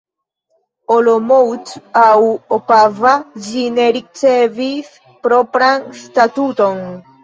Olomouc aŭ Opava ĝi ne ricevis propran statuton.